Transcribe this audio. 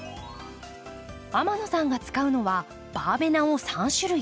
天野さんが使うのはバーベナを３種類。